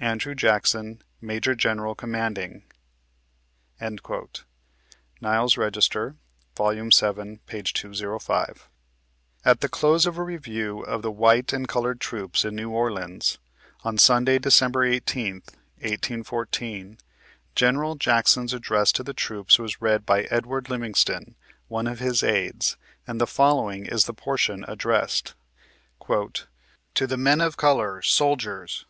"ANDREW JACKSON, Major General Commanding." NUes's Bc'jister, vol. vii., p. 205. At the close of a review of the white and colored troops in New Orleans, on Sunday, December 18th, 1814, General Jackson's address to the troops was read by Edward Livingston, one of his aids, and the following is the portion addressed :" To the men of Color. — Soldiers